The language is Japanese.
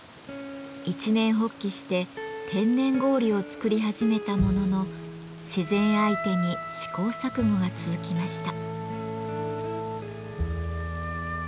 一念発起して天然氷を作り始めたものの自然相手に試行錯誤が続きました。